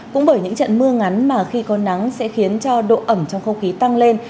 cũng bởi những trận mưa ngắn mà khi có nắng sẽ khiến cho độ ẩm trong không khí tăng lên